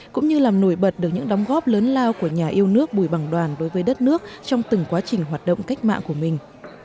cũng như làm nổi bật được những đóng góp lớn lao của nhà yêu nước bùi bằng đoàn đối với đất nước trong từng quá trình hoạt động cách mạng của mình